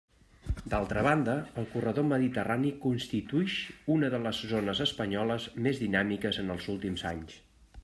D'altra banda, el corredor mediterrani constituïx una de les zones espanyoles més dinàmiques en els últims anys.